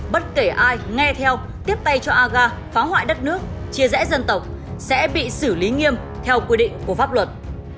bất kể ai nghe theo tiếp tay cho aga phá hoại đất nước chia rẽ dân tộc sẽ bị xử lý nghiêm theo quy định của pháp luật